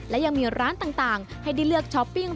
และยังมีร้านต่างให้ได้เลือกช้อปปิ้ง